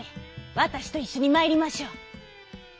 わたしといっしょにまいりましょう」。